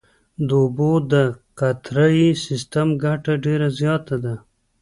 د اوبو د قطرهیي سیستم ګټه ډېره زیاته ده.